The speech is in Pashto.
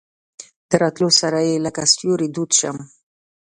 د راتلو سره یې لکه سیوری دود شم.